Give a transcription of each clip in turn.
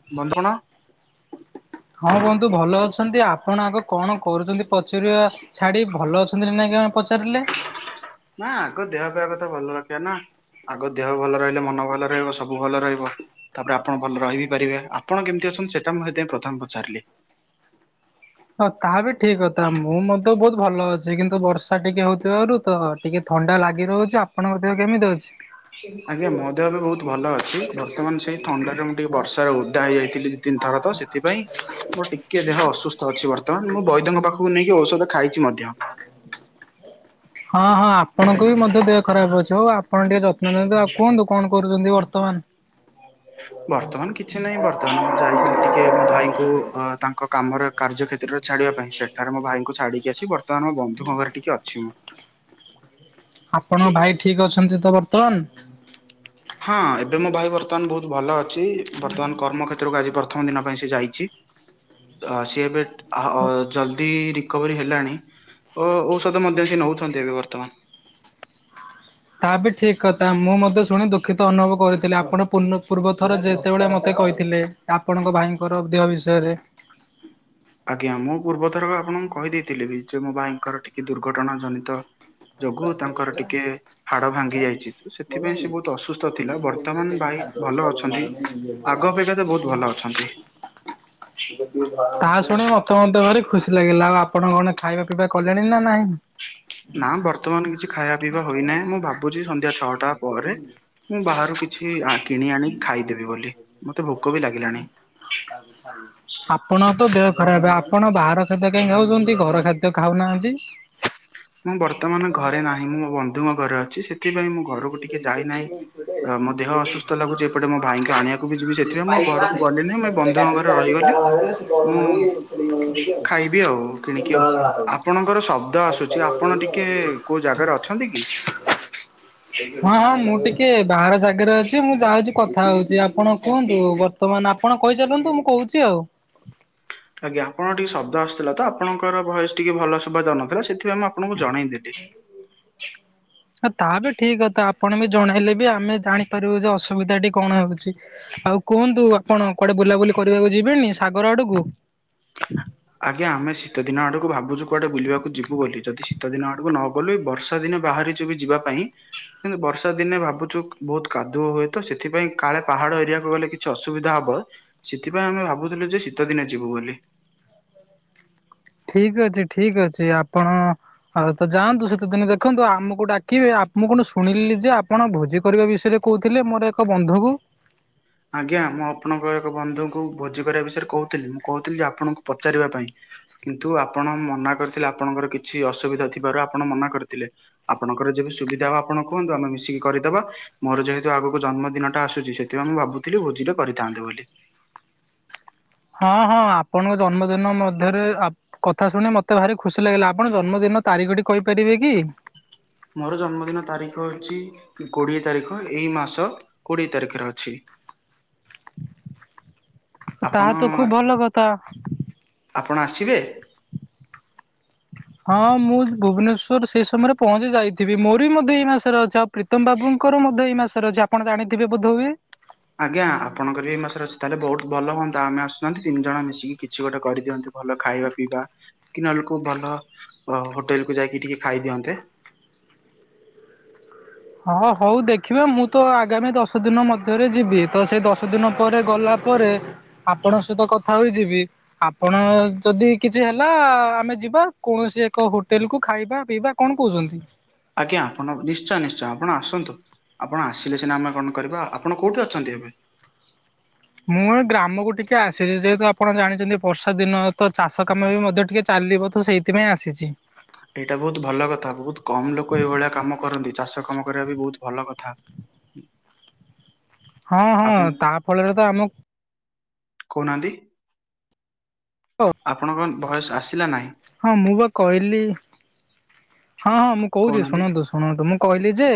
[unintelligible] ହଁ ବନ୍ଧୁ ଭଲ ଅଛନ୍ତି ଆପଣ ଆଗ କଣ କରୁଚନ୍ତି ପଚରିବା। ଛାଡି ଭଲ ଅଛନ୍ତି ନା ନାଇଁ କେଇଆଣି ପଚାରିଲେ? ନା ଆଗ ଦେହ ପା କଥା ଭଲ ରଖିବା ନା? ଆଗ ଦେହ ଭଲ ରହିଲେ ମନ ଭଲ ରହିବ ସବୁ ଭଲ ରହିବ। ତାପରେ ଆପଣ ଭଲ ରହିବି ପାରିବେ ଆପଣ କେମିତି ଅଛନ୍ତି ସେଟା ମୁଁ ସେଥିପାଇଁ ପ୍ରଥମେ ପଚାରିଲି। ହଁ ତାହା ବି ଠିକ୍ କଥା ମୁଁ ମୋର୍ ତ ବୋହୁତ୍ ଭଲ ଅଛି କିନ୍ତୁ ବର୍ଷା ଟିକେ ହୋଉଥିବାରୁ ତ ଟିକେ ଥଣ୍ଡା ଲାଗି ରହୁଛି ଆପଣଙ୍କ ଦେହ କେମିତି ଅଛି? ଆଜ୍ଞା ମୋ ଦେହ ବି ବହୁତ ଭଲ ଅଛି ବର୍ତ୍ତମାନ ସେଇ ଥଣ୍ଡା ରେ ମୁଁ ଟିକେ ବର୍ଷାରେ ଓଦା ହେଇଯାଇଥିଲି ଦି ତିିନ ଥର ତ ସେ ସେଥିପାଇଁ ମୋର ଟିକେ ଦେହ ଅସୁସ୍ଥ ଅଛି ବର୍ତ୍ତମାନ ମୁଁ ବୈଦ୍ୟଙ୍କ ପାଖକୁ ନେଇକି ଔଷଧ ଖାଇଛି ମଧ୍ୟ। ହଁ ହଁ ଆପଣଙ୍କୁ ବି ମଧ୍ୟ ଦେହ ଖରାପ ଅଛି ହଉ ଆପଣ ଟିକେ ଯତ୍ନ ଦ ନିିଅନ୍ତୁ ଆଉ କୁହନ୍ତୁ କଣ କରୁଛନ୍ତି ବର୍ତ୍ତମାନ। ବର୍ତ୍ତମାନ କିଛି ନାହିଁ ବର୍ତ୍ତମାନ ମୁଁ ଯାଇଥିଲି ଟିକେ ମୋ ଭାଇଙ୍କୁ ଅ ତାଙ୍କ କାମରେ କାର୍ଯ୍ୟ କ୍ଷେତ୍ରରେ ଛାଡିବା ପାଇଁ ସେଠାରେ ମୋ ଭାଇଙ୍କୁ ଛାଡ଼ିକି ଆସି ବର୍ତମାନ ବନ୍ଧୁଙ୍କ ଘରେ ଟିକେ ଅଛି ମୁଁ। ଆପଣଙ୍କ ଭାଇ ଠିକ ଅଛନ୍ତି ତ ବର୍ତ୍ତମାନ। ହଁ ଏବେ ମୋ ଭାଇ ବର୍ତ୍ତମାନ ବହୁତ ଭଲ ଅଛି ବର୍ତ୍ତମାନ କର୍ମ କ୍ଷେତ୍ର କୁ ଆଜି ବ। ପ୍ରଥମ ଦିନ ପାଇଁ ସେ ଯାଇଛି ଅ ସିଏ ଏବେ ଅ ଜଲଦି କୋଭିଡ୍ ହେଲାଣି ଓଃ ଔଷଧ ମଧ୍ୟ ସେ ନୋଉଛନ୍ତି ଏବେ ବର୍ତ୍ତମାନ୍। ତାହା ବି ଠିକ୍ କଥା ମୁଁ ମଧ୍ୟ ଶୁଣନ୍ତୁ ଦୁଃଖିତ ଅନୁଭବ୍ କରିଥିଲି ଆପଣ ପୁନ୍ ପୂର୍ବ ଥର ଯେତେବେଳେ ମତେ କହିଥିଲେ। ଆପଣଙ୍କ ଭାଇଙ୍କର ଦେହ ବିଷୟରେ। ଆଜ୍ଞା ମୁଁ ପୂର୍ବ ଥର ଆପଣଙ୍କୁ କହିଦେଇଥିଲି ବି ଯେ ମୋ ଭାଇଙ୍କର ଟିକେ ଦୁର୍ଘଟଣା ଜନିତ ଯୋଗୁ ତାଙ୍କର ଟିକେ ହାଡ଼ ଭାଙ୍ଗି ଯାଇଛି ତ ସେଥିପାଇଁ ସେ ବହୁତ ଅସୁସ୍ଥ ଥିଲା ବର୍ତ୍ତମାନ ଭାଇ [unintelligible] ତାହା ଭଲ ଅଛନ୍ତି। ଆଗ ଅପେକ୍ଷା ତ ବହୁତ ଭଲ ଅଛନ୍ତି। ଶୁଣି ମତେ ମଧ୍ୟ ଭାରି ଖୁସି ଲାଗିଲା ଆଉ ଆପଣ କଣ ଖାଇବା ପିଇବା କଲେଣି ନା ନାହିଁ? [unintelligible] ନା ବର୍ତ୍ତମାନ୍ କିଛି ଖାଇବା ପିଇବା ହୋଇନାହିଁ ମୁଁ ଭାବୁଚି ସନ୍ଧ୍ୟା ଛଅଟା ପରେ ମୁଁ ବାହାରୁ କିଛି କିଣି ଆଣିି ଖାଇଦେବି ବୋଲି ମତେ ଭୋକ ବି ଲାଗିଲାଣି। [unintelligible] ଆପଣଙ୍କର ତ ଦେହ ଖରାପ୍ ଆପଣ ବାହାର ଖାଦ୍ୟ କାହିଁକି ଖାଉଚନ୍ତି ଘର ଖାଦ୍ୟ ଖାଉନାହାନ୍ତି? ମୁଁ ବର୍ତ୍ତମାନ ଘରେ ନାହିଁ ମୁଁ ମୋ ବନ୍ଧୁଙ୍କ ଘରେ ଅଛି ସେ ସେଥିପାଇଁ ମୁଁ ଘରକୁ ଟିକେ ଯାଇନାହିଁ ମୋ ଦେହ ଅସୁସ୍ଥ ଲାଗୁଛି ଏପଟେ ମୋ ଭାଇଙ୍କୁ ଆଣିବା କୁ ଯିବି ସେଥିପାଇଁ ମୋ ଘରକୁ ଗଲି ନି ମୁ ଏଇ ବନ୍ଧୁଙ୍କ ଘରେ ରହିଗଲି ମୁଁ ଖାଇବି ଆଉ କିଣିକି ଆଉ ଆପଣଙ୍କର ଶବ୍ଦ ଆସୁଛି ଆପଣ ଟିକେ କୋଉ ଜାଗାରେ ଅଛନ୍ତି କି? ହଁ ହଁ ମୁଁ ଟିକେ ବାହାର ଜାଗରେ ଅଛି ମୁଁ ଯାଉଛି କଥା ହଉଛି ଆପଣ କୁହନ୍ତୁ? ଵତମାନେ ଆପଣ କହିଚାଲନ୍ତୁ ମୁଁ କହୁଛି ଆଉ। ଆଜ୍ଞା ଆପଣଙ୍କ ଟିକେ ଶବ୍ଦ ଆସୁଥିଲା ତ ଆପଣଙ୍କର ଭଏସ ଟିକେ ଭଲ ଶୁଭା ଜାଉନଥିଲା ସେଥିପାଇଁ ମୁଁ ଆପଣଙ୍କୁ ଜଣେଇଦେଲି। ତା ବି ଠିକ କଥା ଆପଣ ବି ଜଣେଇଲେ ବି ଆମେ ଜାଣିପାରିବୁ ଯେ ଅସୁବିଧାଟି କଣ ହଉଛି। ଆଉ କୁହନ୍ତୁ ଆପଣ କୁଆଡେ ବୁଲାବୁଲି କରିବାକୁ ଯିବେନି ସାଗର ଆଡକୁ? ଆଜ୍ଞା ଆମେ ଶୀତ ଦିନ ଆଡକୁ ଭାବୁଛୁ କୁଆଡେ ବୁଲିବାକୁ ଯିବୁ ବୋଲି ଯଦି ଶୀତ ଦିନ ଆଡକୁ ନ ଗଲେୁ ବର୍ଷା ଦିନ ବାହାରି ବି ଯିବା ପାଇଁ। କିନ୍ତୁ ବର୍ଷା ଦିନେ ଭାବୁଛୁ ବହୁତ କାଦୁଅ ହୁଏ ତ ସେଥିପାଇଁ କାଳେ ପାହାଡ ଏରିଆକୁ ଗଲେ କିଛି ଅସୁବିଧା ହବ। ସେଥିପାଇଁ ଆମେ ଭାବୁଥିଲୁ ଯେ ଶୀତଦିନେ ଯିବୁ ବୋଲି। ଠିକ ଅଛି ଠିକ ଅଛି ଆପଣ ଆଉ ତ ଯାଆନ୍ତୁ ସେତେଦିନ ଦେଖନ୍ତୁ ଆମକୁ ଡାକିବେ ଆ ମୁଁ କଣ ଶୁଣିଲି ଯେ ଆପଣ ଭୋଜି କରିବା ବିଷୟରେ କହୁଥିଲେ ମୋର ଏକ ବନ୍ଧୁକୁ ଆଜ୍ଞା ମୁଁ ଆପଣଙ୍କ ଏକ ବନ୍ଧୁଙ୍କୁ ଭୋଜି କରିବା ବିଷୟରେ କହୁଥିଲି ମୁଁ କହୁଥିଲିକି ଆପଣଙ୍କୁ ପଚାରିବା ପାଇଁ। କିନ୍ତୁ ଆପଣ ମନା କରିଥିଲେ ଆପଣଙ୍କର କିଛି ଅସୁବିଧା ଥିବାରୁ ଆପଣ ମନା କରିଥିଲେ। ଆପଣଙ୍କର ଯେବେ ସୁବିଧା ହବ ଆପଣ କୁହନ୍ତୁ ଆମେ ମିଶିକି କରିଦେବା। ମୋର ଯେହେତୁ ଆଗକୁ ଜନ୍ମ ଦିନଟା ଆସୁଛି ସେଥିପାଇଁ ମୁଁ ଭାବୁଥିଲି ଭୋଜିରେ କରିଥାନ୍ତେ ବୋଲି। ହଁ ହଁ ଆପଣଙ୍କ ଜନ୍ମଦିନ ମଧ୍ୟରେ କଥା ଶୁଣି ମୋତେ ଭାରି ଖୁସି ଲାଗିଲା ଆପଣ ଜନ୍ମଦିନର ତାରିଖଟି କହିପାରିବେ କି? ମୋର ଜନ୍ମଦିନ ତାରିଖ ହଉଛି କୋଡିଏ ତାରିଖ ଏଇ ମାସ କୋଡ଼ିଏ ତାରଖ ରେ ଅଛି। ଆପଣ ତାହା ତ ଖୁବ ଭଲ କଥା ଆପଣ ଆସିବେ? ହଁ ମୁଁ ଭୁବନେଶ୍ଵର ସେଇ ସମୟରେ ପହଞ୍ଚି ଯାଇଥିବି ମୋର ବି ମଧ୍ୟ ଏଇ ମାସରେ ଅଛି। ପ୍ରୀତମ ବାବୁଙ୍କର ମଧ୍ୟ ଏଇ ମାସରେ ଅଛି ଆପଣ ଜାଣିଥିବେ ବୋଧହୁଏ? ଆଜ୍ଞା ଆପଣଙ୍କର ଏଇ ମାସରେ ଅଛି ତାହେଲେ ବହୁତ ଭଲ ହୁଅନ୍ତା ଆମେ ଆସୁନାହାନ୍ତି ତିନି ଜଣ ମିଶିକି କିଛି ଗୋଟେ କରିଦିଅନ୍ତୁ। ଭଲ ଖାଇବା ପିଇବା କି ନ ହେଲେ କୋଉ ଭଲ ହୋଟେଲ କୁ ଯାଇକି ଟିକେ ଖାଇଦିଅନ୍ତେ। ହଁ ହଉ ଦେଖିବା ମୁଁ ତ ଆଗାମୀ ଦଶ ଦିନ ମଧ୍ୟରେ ଯିବି ତ ସେଇ ଦଶ ଦିନ ପରେ ଗଲା ପରେ ଆପଣଙ୍କ ସହିତ କଥା ହଇଯିବି। ଆପଣ ଯଦି କିଛି ହେଲା ଆମେ ଯିବା କୌଣସି ଏକ ହୋଟେଲ କୁ ଖାଇବା ପିଇବା। କଣ କହୁଛନ୍ତି? ଆଜ୍ଞା ଆପଣ ନିଶ୍ଚୟ ନିଶ୍ଚୟ ଆପଣ ଆସନ୍ତୁ। ଆପଣ ଆସିଲେ ସିନା ଆମେ କଣ କରିବା ଆପଣ କେଉଁଠି ଅଛନ୍ତି ଏବେ? ମୁଁ ଏ ଗ୍ରାମକୁ ଟିକେ ଆସିଛି ଯେହେତୁ ଆପଣ ଜାଣିଛନ୍ତି ବର୍ଷା ଦିନ ତ ଚାଷ କାମ ବି ମଧ୍ୟ ଟିକେ ଚାଲିବ ତ ସେଇ ସେଥିପାଇଁ ଆସିଛି। ଏଇଟା ବହୁତ ଭଲ କଥା ବହୁତ କମ୍ ଲୋକ ଏଇଭଳିଆ କାମ କରନ୍ତି ଚାଷ କାମ କରିବା ବି ବହୁତ ଭଲ କଥା। ହଁ ହଁ ଆପଣ ତା ଫଳରେ ତ ଆମ କହୁ ନାହାନ୍ତି। କ ଆପଣଙ୍କ ଭଏସ୍ ଆସିଲା ନାହିଁ। ହଁ ମୁଁ ବା କହିଲି ହଁ ହଁ ମୁଁ କହୁଚି କହୁନାହାନ୍ତି ଶୁଣନ୍ତୁ। ଶୁଣନ୍ତୁ ମୁଁ କହିଲି ଯେ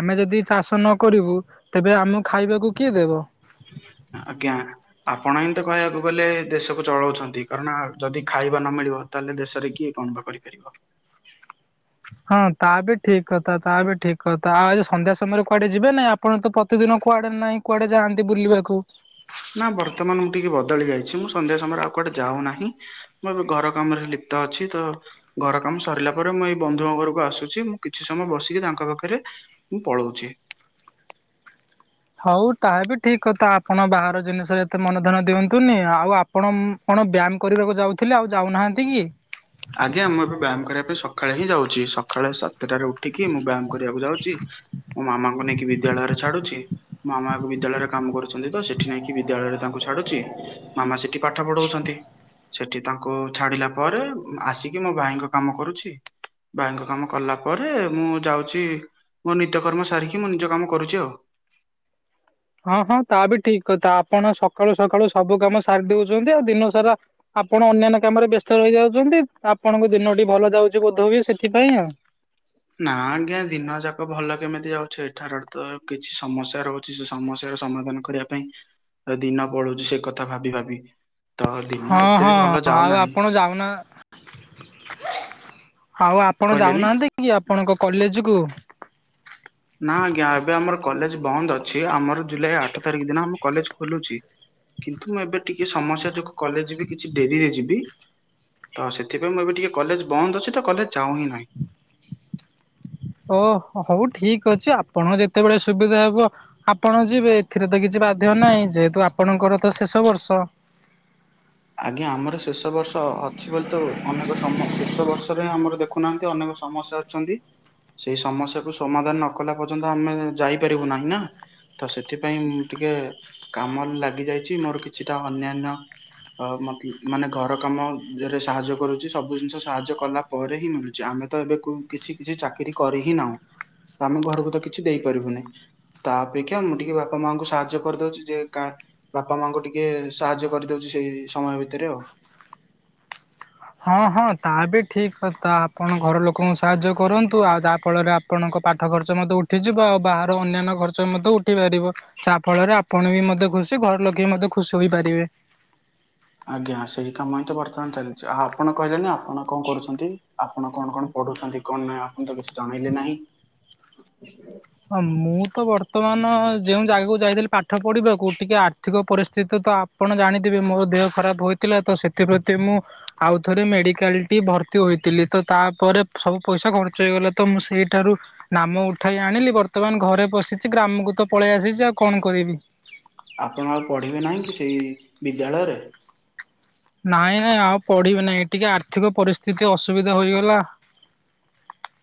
ଆମେ ଯଦି ଚାଷ ନ କରିବୁ ତେବେ ଆମକୁ ଖାଇବାକୁ କିଏ ଦେବ। ଆଜ୍ଞା। ଆପଣ ହିଁ ତ କହିବାକୁ ଗଲେ ଦେଶକୁ ଚଳଉଛନ୍ତି। କାରଣ ଯଦି ଖାଇବା ନ ମିଳିବ ତାହେଲେ ଦେଶରେ କିଏ କଣ ବା କରିପାରିବ। ହଁ ତା ବି ଠିକ କଥା ତା ବି ଠିକ୍ କଥା ଆଉ ଆଜି ସନ୍ଧ୍ୟା ସମୟରେ କୁଆଡେ ଯିବେ ନା ଆ ଆପଣ ତ ପ୍ରତିଦିନ କୁଆଡେ ନାହିଁ କୁଆଡେ ଯାଆନ୍ତି ବୁଲିବାକୁ। ନା ବର୍ତ୍ତମାନ ମୁଁ ଟିକେ ବଦଳି ଯାଇଛି ମୁଁ ସନ୍ଧ୍ୟା ସମୟରେ ଆଉ କୁଆଡେ ଯାଉ ନାହିଁ। ମୁଁ ଏବେ ଘର କାମ ରେ ଲିପ୍ତ ଅଛି। ତ ଘର କାମ ସରିଲା ପରେ ମୁଁ ଏଇ ବନ୍ଧୁଙ୍କ ଘରକୁ ଆସୁଛି। ମୁଁ କିଛି ସମୟ ବସିକି ତାଙ୍କ ପାଖରେ ମୁଁ ପଳଉଛି। ହଉ ତାହା ବି ଠିକ କଥା, ଆପଣ ବାହାର ଜିନିଷ ଏତେ ମନଧ୍ୟାନ ଦିଅନ୍ତୁନି। ଆଉ ଆ କଣ କଣ ବ୍ୟାୟାମ କରିବାକୁ ଯାଉଥିଲେ ଆଉ ଯାଉନାହାନ୍ତି କି? ଆଜ୍ଞା ମୁଁ ଏବେ ବ୍ୟାୟାମ କରିବା ପାଇଁ ସଖାଳେ ହିଁ ଯାଉଛି। ସଖାଳେ ସ ସାତଟାରେ ଉଠିକି ମୁଁ ବ୍ୟାୟାମ କରିବାକୁ ଯାଉଚି। ମୋ ମାମାଙ୍କୁ ନେଇକି ବିଦ୍ୟାଳୟରେ ଛାଡୁଛି। ମାମାକୁ ବିଦ୍ୟାଳୟରେ କାମ କରୁଛନ୍ତି ତ ସେଠି ନେଇକି ବିଦ୍ୟାଳୟରେ ତାଙ୍କୁ ଛାଡୁଚି। ମାମା ସେ ଠି ପାଠ ପଢଉଛନ୍ତି। ସେଠି ତାଙ୍କୁ ଛାଡିଲା ପରେ ଆସିକି ମୋ ଭାଇଙ୍କ କାମ କରୁଛି। ଭାଇଙ୍କ କାମ କଲା ପରେ ମୁଁ ଯାଉଛି। ମୋ ନିତ୍ୟକର୍ମ ସାରିକି ମୁଁ ନିଜ କାମ କରୁଚି ଆଉ। ହଁ ହଁ ତା ବି ଠିକ କଥା ଆପଣ ସକାଳୁ ସକାଳୁ ସବୁ କାମ ସାରି ଦଉଛନ୍ତି। ଆଉ ଦିନ ସାରା ଆପଣ ଅନ୍ୟାନ୍ୟ କାମରେ ବ୍ୟସ୍ତ ରହିଯାଉଛନ୍ତି। ଆପଣଙ୍କ ଦିନଟି ଭଲ ଯାଉଛି ବୋଧ ହୁଏ ସେଥିପାଇଁ ଆଉ। ନା ଆଜ୍ଞା ଦିନ ଯାକ ଭଲ କେମିତି ଯାଉଛି। ଏଠାରେ ତ କିଛି ସମସ୍ୟା ରହୁ ଚି ସେ ସମସ୍ୟାର ସମାଧାନ କରିବା ପାଇଁ ଏ ଦିନ ପଳଉଛି ସେ କଥା ଭାବି ଭାବି। ତ ଦିନ ହଁ ଏତେ ହଁ ବି ଭଲ ଆଉ ଯାଉନାହିଁ ଆପଣ ଯାଉନା ଆଉ ଆପଣ କହିଲେନି। ଯାଉନାହାନ୍ତି କି ଆପଣଙ୍କ କଲେଜ୍ କୁ? ନା ଆଜ୍ଞା ଏବେ ଆମର କଲେଜ୍ ବନ୍ଦ ଅଛି। ଆମର ଜୁଲାଇ ଆଠ ତାରିଖ ଦିନ ଆମ କଲେଜ୍ ଖୋଲୁଛି। କିନ୍ତୁ ମୁଁ ଏବେ ଟିକେ ସମସ୍ୟା ଯୋଗୁ କଲେଜ୍ ବି କିଛି ଡେରିରେ ଯିବି। ତ ସେଥିପାଇଁ ମୁଁ ଏବେ ଟିକେ କଲେଜ୍ ବନ୍ଦ ଅଛି। ତ କଲେଜ୍ ଯାଉ ହିଁ ନାହିଁ। ଓ ହଉ ଠିକ ଅଛି ଆପଣ ଯେତେବେଳେ ସୁବିଧା ହେବ ଆପଣ ଯିବେ। ଏଥିରେ ତ କିଛି ବାଧ୍ୟ ନାହିଁ, ଯେହେତୁ ଆପଣଙ୍କର ତ ଶେଷ ବର୍ଷ। ଆଜ୍ଞା ଆମର ଶେଷ ବର୍ଷ ଅଛି ବୋଲି ତ ଅନେକ ସମ ଶେଷ ବର୍ଷରେ ଆମର ଦେଖୁନାହାନ୍ତି ଅନେକ ସମସ୍ୟା ଛନ୍ତି ସେଇ ସମସ୍ୟାକୁୁ ସମାଧାନ ନ କଲା ପର୍ଯ୍ୟନ୍ତ ଆମେ ଯାଇପାରିବୁ ନାହିଁ ନା। ତ ସେଥିପାଇଁ ମୁଁ ଟିକେ କାମର ଲାଗି ଯାଇଛି। ମୋର କିଛିଟା ଅନ୍ୟାନ୍ୟ ଅ, ମଖି ମାନେ ଘର କାମରେ ସାହାଯ୍ୟ କରୁଚି। ସବୁ ଜିନିଷ ସାହାଯ୍ୟ କଲା ପରେ ହିଁ ମିଳୁଚି। ଆମେ ତ ଏବେ କୁ-କିଛି କିଛି ଚାକିରି କରି ହିଁ ନାହୁଁ। ତ ଆମେ ଘରକୁ ତ କିଛି ଦେଇପାରିବୁନି। ତା ଅପେକ୍ଷା ମୁଁ ଟିକେ ବାପା ମାଆଙ୍କୁ ସାହାଯ୍ୟ କରିଦଉଚି। ଯେ କା ବାପା ମାଙ୍କୁ ଟିକେ ସାହାଯ୍ୟ କରିଦଉଛି ସେଇ ସମୟ ଭିତରେ ଆଉ। ହଁ ହଁ ତା ବି ଠିକ୍ କଥା ଆପଣ ଘର ଲୋକଙ୍କୁ ସାହାଯ୍ୟ କରନ୍ତୁ। ଆଉ ଯାହା ଫଳରେ ଆ ଆପଣଙ୍କ ପାଠ ଖର୍ଚ୍ଚ ମଧ୍ୟ ଉଠିଯିବ। ଆଉ ବାହାରୁ ଅନ୍ୟାନ୍ୟ ଖର୍ଚ୍ଚ ମଧ୍ୟ ଉଠି ପାରିବ। ଯାହା ଫଳରେ ଆପଣ ବି ମଧ୍ୟ ଖୁସି ଘର ଲୋକେ ବି ମଧ୍ୟ ଖୁସି ହୋଇପାରିବେ। ଆଜ୍ଞା ସେଇ କାମ ହିଁ ତ ବର୍ତ୍ତମାନ ଚାଲିଛି। ଆଉ ଆପଣ କହିଲେନି ଆପଣ କଣ କରୁଛନ୍ତି? ଆପଣ କଣ କଣ ପଢୁଛନ୍ତି କଣ ନାହିଁ? ଆପଣ ତ କିଛି ଜଣେଇଲେ ନାହିଁ। ହଁ ମୁଁ ତ ବର୍ତ୍ତମାନ ଯେଉଁ ଜାଗାକୁ ଯାଇଥିଲି ପା ପାଠ ପଢିବାକୁ ଟିକେ ଆର୍ଥିକ ପରିସ୍ଥିତି ତ ଆପଣ ଜାଣିଥିବେ ମୋ ଦେହ ଖରାପ ହୋଇଥିଲା ତ ସେଥିପ୍ରତି ମୁଁ ଆଉଥରେ ମେଡିକାଲ୍ ଟି ଭର୍ତ୍ତି ହୋଇଥିଲି। ତ ତାପରେ ସବୁ ପଇସା ଖର୍ଚ୍ଚ ହେଇଗଲା ତ ମୁଁ ସେଇଠାରୁ ନାମ ଉଠାଇ ଆଣିଲି ବର୍ତ୍ତମାନ ଘରେ ବସିଛି। ଗ୍ରାମକୁ ତ ପଳେଇ ଆସିଛି, ଆଉ କଣ କରିବି। ଆପଣ ଆଉ ପଢିବେ ନାହିଁ କି ସେଇ ବିଦ୍ୟାଳୟରେ? ନାଇଁ ନାଇଁ ଆଉ ପଢ଼ିବି ନାହିଁ ଟିକେ ଆର୍ଥିକ ପରିସ୍ଥିତି ଅସୁବିଧା ହୋଇଗଲା।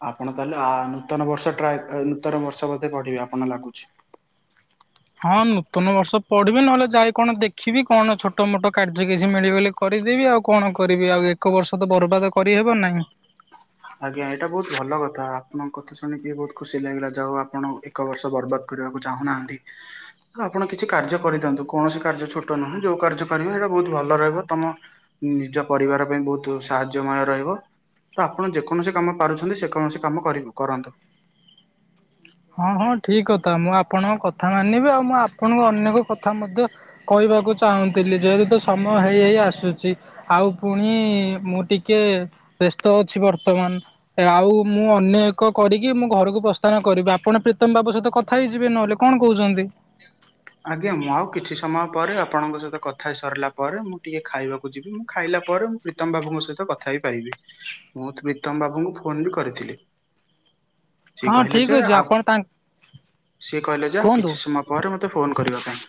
ଆପଣ ତାହେଲେ ଆ ନୂତନ ବର୍ଷ ଟ୍ରାଏ ନୂତନ ବର୍ଷ ବୋଧେ ପଢିବେ ଆପଣ ଲାଗୁଛି। ହଁ ନୂତନ ବର୍ଷ ପଢିବି ନହେଲେ ଯାଇ କଣ ଦେଖିବି କଣ ଛୋଟ ମୋଟ କାର୍ଯ୍ୟ କିଛି ମିଳିବ ବୋଲି। କରିଦେବି ଆଉ କଣ କରିବି ଆଉ ଏକ ବର୍ଷ ତ ବର୍ବାଦ କରିହେବ ନାହିଁ। ଆଜ୍ଞା ଏଇଟା ବହୁତ ଭଲ କଥା ଆପଣଙ୍କ କଥା ଶୁଣିକି ବହୁତ ଖୁସି ଲାଗିଲା ଯାହା ହୋଉ ଆପଣ ଏକ ବର୍ଷ ବର୍ବାଦ କରିବାକୁ ଚାହୁଁନାହାନ୍ତି। ଆପଣ କିଛି କାର୍ଯ୍ୟ କରିଦିଅନ୍ତୁ କୌଣସି କାର୍ଯ୍ୟ ଛୋଟ ନୁହଁ। ଯୋଉ କାର୍ଯ୍ୟ କରିବ ସେଇଟା ବହୁତ ଭଲ ରହିବ ତମ ନିଜ ପରିବାର ପାଇଁ ବହୁତ ଶ୍ ସାହାଯ୍ୟମୟ ରହିବ ତ ଆପଣ ଯେକୌଣସି କାମ ପାରୁଛନ୍ତି ସେ କୌଣସି କାମ କରି କରନ୍ତୁ। ହଁ ହଁ ଠିକ କଥା ମୁଁ ଆପଣଙ୍କ କଥା ମାନିବି ଆଉ ମୁଁ ଆପଣଙ୍କୁ ଅନେକ କଥା ମଧ୍ୟ କହିବାକୁ ଚାହୁଁଥିଲି। ଯେହେତୁ ସମୟ ହେଇ ହେଇ ଆସୁଛି ଆଉ ପୁଣି ମୁଁ ଟିକେ ବ୍ୟସ୍ତ ଅଛି ବର୍ତ୍ତମାନ ଆଉ ମୁଁ ଅନ୍ୟ ଏକ କରିକି ମୁଁ ଘରକୁ ପ୍ରସ୍ଥାନ କରିବି। ଆପ ଆପଣ ପ୍ରୀତମ ବାବୁ ସହିତ କଥା ହେଇଯିବେ ନହେଲେ କଣ କହୁଛନ୍ତି? ଆଜ୍ଞା ମୁଁ ଆଉ କିଛି ସମୟ ପରେ ଆପଣଙ୍କ ସହିତ କଥା ହେଇ ସରିଲା ପରେ ମୁଁ ଟିକେ ଖାଇବାକୁ ଯିବି ମୁଁ ଖାଇଲା ପରେ ପ୍ରୀତମ ବାବୁଙ୍କ ସହିତ କଥା ହେଇ ପାରିବି। ମୁଁ ତ୍ ପ୍ରୀତମ ବାବୁଙ୍କୁ ଫୋନ ବି କରିଥିଲି। ସିଏ ହଁ କହିଲେ ଠିକ ଯେ ଅଛି ଆଉ ଆପଣ ତା ସିଏ କହିଲେ ଯେ ଆଉ କୁହନ୍ତୁ କିଛି ସମୟ ପରେ ମୋତେ ଫୋନ୍ କରିବା ପାଇଁ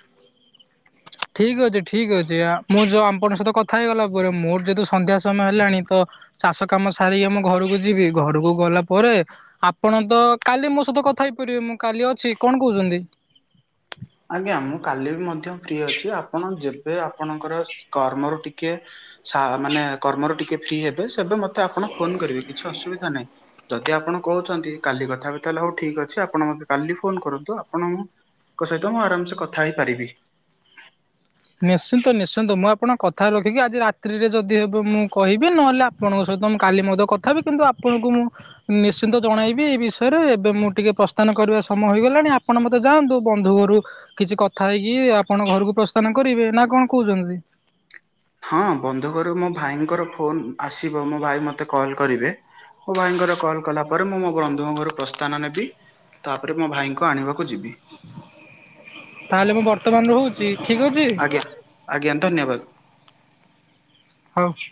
ଠିକ୍ ଅଛି ଠିକ୍ ଅଛି ଆ ମୁଁ ଯଉ ଆପଣଙ୍କ ସହିତ କଥା ହେଇଗଲା ପରେ ମୋର ଯେହେତୁ ସନ୍ଧ୍ୟା ସମୟ ହେଲାଣି ତ ଚାଷ କାମ ସାରିକି ଆମ ଘରକୁ ଯିବି ଘରକୁ ଗଲା ପରେ ଆପଣ ତ କାଲି ମୋ ସହିତ କଥା ହେଇପାରିବେ ମୁଁ କାଲି ଅଛି କଣ କହୁଛନ୍ତି? ଆଜ୍ଞା ମୁଁ କାଲି ବି ମଧ୍ୟ ଫ୍ରି ଅଛି ଆପଣ ଯେବେ ଆପଣଙ୍କର କର୍ମରୁ ଟିକେ ସା ମାନେ କର୍ମରେ ଟିକେ ଫ୍ରି ହେବେ ସେବେ ମତେ ଆପଣ ଫୋନ କରିବେ କିଛି ଅସୁବିଧା ନାହିଁ। ଯଦି ଆପଣ କହୁଛନ୍ତି କାଲି କଥାହବା ତାହେଲେ ହଉ ଠିକ୍ ଅଛି ଆପଣ ମତେ କାଲି ଫୋନ କରନ୍ତୁ ଆପଣ ମୁଁ ଙ୍କ ସହିତ ମୁଁ ଆରାମସେ କଥା ହେଇପାରିବି। ନିଶ୍ଚିନ୍ତ ନିଶ୍ଚିନ୍ତ ମୁଁ ଆପଣଙ୍କ କଥାରେ ରଖିକି ଆଜି ରାତିରେ ଯଦି ହେବେ ମୁଁ କହିବି ନହେଲେ ଆପଣଙ୍କ ସହିତ ମୁଁ କାଲି ମଧ୍ୟ କଥା ହେବି କିନ୍ତୁ ଆପଣଙ୍କୁ ମୁଁ ନିଶ୍ଚିନ୍ତ ଜଣେଇବି ଏଇ ବିଷୟରେ ଏବେ ମୁଁ ଟିକେ ପ୍ରସ୍ଥାନ କରିବା ସମୟ ହେଇଗଲାଣି ଆପଣ ମତେ ତ ଯାଆନ୍ତୁ ବନ୍ଧୁ ଘରୁ କିଛି କଥା ହେଇକି ଆପଣ ଘରକୁ ପ୍ରସ୍ଥାନ କରିବେ ନା କଣ କହୁଛନ୍ତି? ହଁ ବନ୍ଧୁ ଘରୁ ମୋ ଭାଇଙ୍କର ଫୋନ ଆସିବ ମୋ ଭାଇ ମତେ କଲ୍ କରିବେ ମୋ ଭାଇଙ୍କର କଲ୍ କଲା ପରେ ମୁଁ ମୋ ବନ୍ଧୁଙ୍କ ଘରୁ ପ୍ରସ୍ଥାନ ନେବି ତାପରେ ମୋ ଭାଇଙ୍କୁ ଆଣିବାକୁ ଯିବି। ତାହେଲେ ମୁଁ ବର୍ତ୍ତମାନରୁ ରହୁଛି ଠିକ ଅଛି? ଆଜ୍ଞା ଆଜ୍ଞା ଧନ୍ୟବାଦ। ହୋଉ।